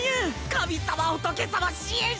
神様仏様支援者様！